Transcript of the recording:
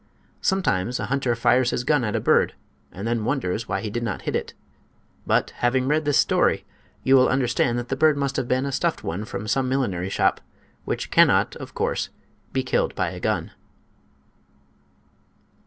Sometimes a hunter fires his gun at a bird and then wonders why he did not hit it. But, having read this story, you will understand that the bird must have been a stuffed one from some millinery shop, which cannot, of course, be killed by a gun.